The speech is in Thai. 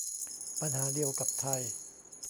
ปัญหาเดียวกับไทย